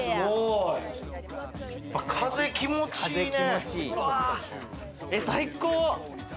風、気持ち良いね。